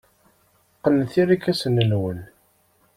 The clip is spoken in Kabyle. Qqnet irkasen-nwen.